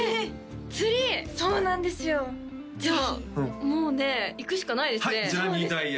そうなんですよじゃあもうね行くしかないですね